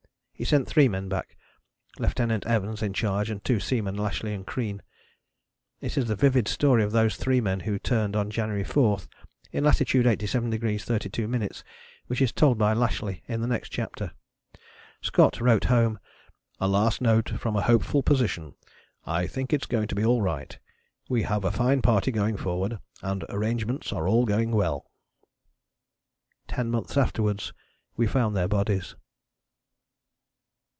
He sent three men back: Lieutenant Evans in charge, and two seamen, Lashly and Crean. It is the vivid story of those three men, who turned on January 4 in latitude 87° 32´, which is told by Lashly in the next chapter. Scott wrote home: "A last note from a hopeful position. I think it's going to be all right. We have a fine party going forward and arrangements are all going well." Ten months afterwards we found their bodies.